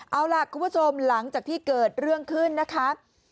เอาล่ะคุณผู้ชมหลังจากที่เกิดเรื่องขึ้นนะคะ